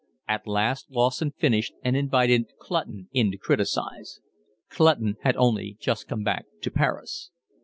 At last Lawson finished and invited Clutton in to criticise. Clutton had only just come back to Paris.